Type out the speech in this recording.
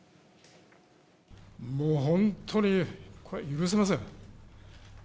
もう本当にこれは許せません。